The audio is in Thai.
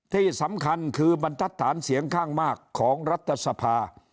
ที่สำคัญคือบรรทัศน์เสียงข้างมากของรัฐสภา